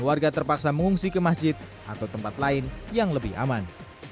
warga terpaksa mengungsi ke masjid atau tempat lain yang lebih aman